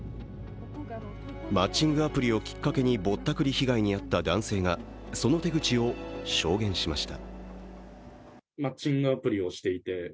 マッチングアプリをきっかけにぼったくり被害に遭った男性がその手口を証言しました。